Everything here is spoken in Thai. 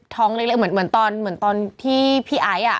ท้องเล็กเหมือนตอนที่พี่ไอ้อ่ะ